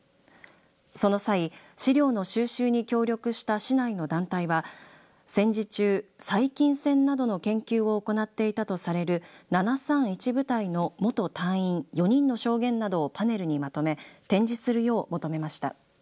その際、資料の収集に協力した市内の団体は戦時中、細菌戦などの研究を行っていたとされる７３１部隊の元隊員４人の証言などをパネルにまとめ展示するよう求めました。